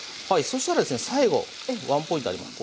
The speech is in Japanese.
そしたらですね最後ワンポイントあります。